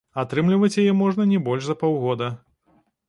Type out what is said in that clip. Атрымліваць яе можна не больш за паўгода.